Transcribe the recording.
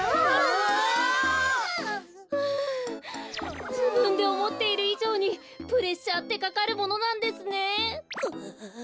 ふじぶんでおもっているいじょうにプレッシャーってかかるものなんですね。